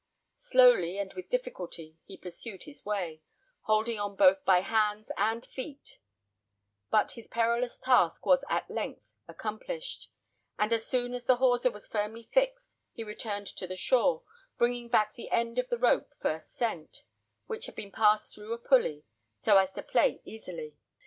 Slowly and with difficulty he pursued his way, holding on both by hands and feet; but his perilous task was at length accomplished, and as soon as the hawser was firmly fixed, he returned to the shore, bringing back the end of the rope first sent, which had been passed through a pulley, so as to play easily.